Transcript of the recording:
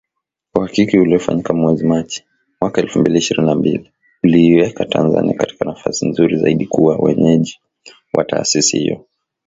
Uhakiki uliofanyika mwezi Machi, mwaka elfu mbili ishirini na mbili, uliiweka Tanzania katika nafasi nzuri zaidi kuwa mwenyeji wa taasisi hiyo